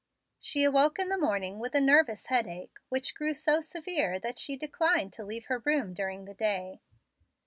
She awoke in the morning with a nervous headache, which grew so severe that she declined to leave her room during the day.